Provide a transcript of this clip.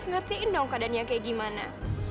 kamu harus ngertiin dong keadaannya kaya gimana